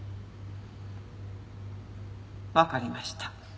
わかりました。